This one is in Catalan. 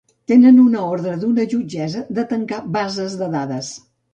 Tenen una ordre d’una jutgessa de tancar bases de dades.